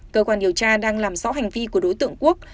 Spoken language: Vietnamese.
cơ quan điều tra đang làm rõ hành vi của đối tượng quốc